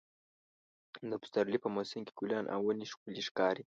د پسرلي په موسم کې ګلان او ونې ښکلې ښکاري.